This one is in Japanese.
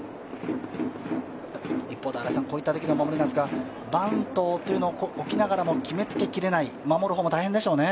一方で新井さん、こういったときのバントを置きながらも決めつけきれない、守る方も大変でしょうね。